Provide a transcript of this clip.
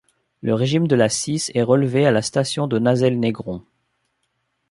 Le régime de la Cisse est relevé à la station de Nazelles-Négron.